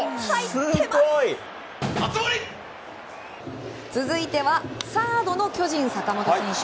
すごい！続いてはサードの巨人、坂本選手。